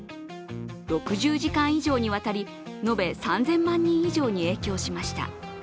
６０時間以上にわたり、延べ３０００万人以上に影響しました。